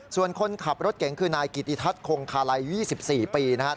ส่วนคนขับรถเก๋งคือนายกิติทัศน์คงคาลัย๒๔ปีนะครับ